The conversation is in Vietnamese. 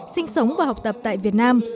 sinh sống và học tập tại việt nam